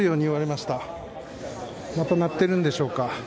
また鳴っているんでしょうか。